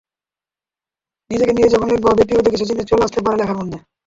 নিজেকে নিয়েই যখন লিখব, ব্যক্তিগত কিছু জিনিস চলে আসতে পারে লেখার মধ্যে।